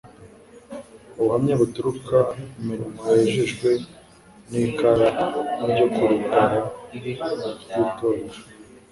Ubuhamva buturuka mu minwa yejejwe n'ikara ryo ku rugarama rw'icyotero,